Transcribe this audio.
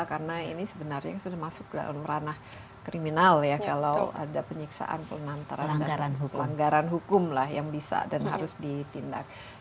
karena ini sebenarnya sudah masuk dalam ranah kriminal ya kalau ada penyiksaan penantaran pelanggaran hukum lah yang bisa dan harus ditindakkan